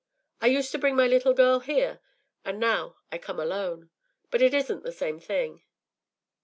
I used to bring my little girl here, and now I come alone. But it isn’t the same thing.